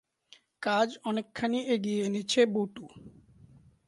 কাজ অনেকখানি এগিয়ে এনেছে বটু।